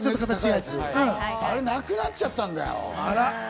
あれ、なくなっちゃったんだよ。